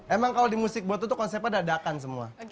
emang kalau di musik botu tuh konsepnya dadakan semua